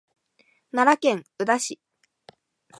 奈良県宇陀市